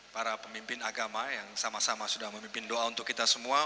para pemimpin agama yang sama sama sudah memimpin doa untuk kita semua